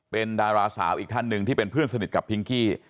เป็นดาราสาวอีกท่านหนึ่งที่เป็นเพื่อนสนิทกับพิงกี้